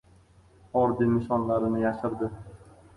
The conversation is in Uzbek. Orden-nishonlarini yashirdi.